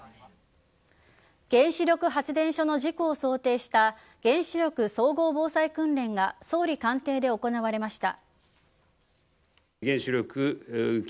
原子力発電所の事故を想定した原子力総合防災訓練が総理官邸で行われました。